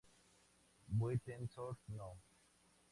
Buitenzorg No.